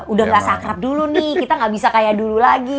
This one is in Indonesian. udah gak sakrab dulu nih kita gak bisa kayak dulu lagi